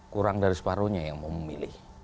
kurang dari separuhnya yang mau memilih